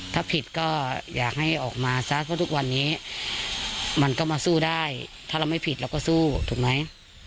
ถ้าผิดก็อยากให้ออกมาซะเพราะทุกวันนี้มันก็มาสู้ได้ถ้าเราไม่ผิดเราก็สู้ถูกไหม